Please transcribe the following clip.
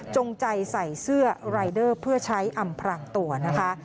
จงใจใส่เสื้อรายเดอร์เพื่อใช้อำพลังตัวนะคะ